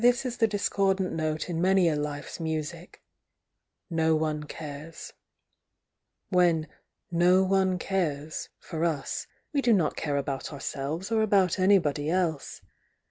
This is the discordant note in many a life's music, — "no one cares." When "no one cares" for us, we do not care about ourselves or about anybody else.